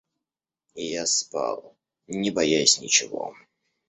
Я спал, не боясь ничего.